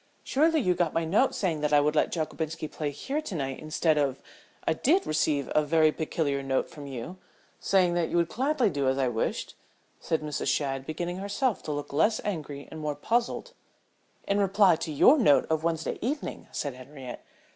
"Surely, you got my note saying that I would let Jockobinski play here to night instead of " "I did receive a very peculiar note from you saying that you would gladly do as I wished," said Mrs. Shadd, beginning herself to look less angry and more puzzled. "In reply to your note of Wednesday evening," said Henriette.